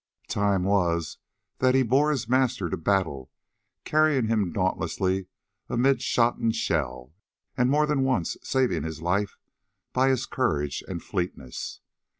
"Time was that he bore his master to battle, carrying him dauntlessly amid shot and shell, and more than once saving his life by his courage and fleetness.